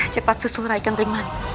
cepat susul raikantriman